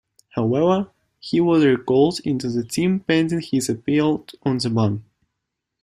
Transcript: However, he was recalled into the team pending his appeal on the ban.